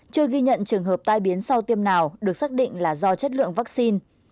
chưa ghi nhận trường hợp tai biến sau tiêm nào được xác định là do chất lượng vaccine